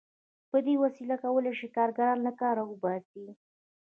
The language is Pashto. په دې وسیله کولای شي کارګر له کاره وباسي